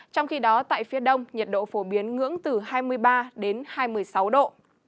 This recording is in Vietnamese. trong khi đó tại phía đông nhiệt độ phổ biến ngưỡng từ hai mươi ba đến hai mươi sáu độ